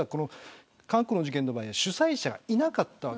韓国の事件の場合は主催者がいませんでした。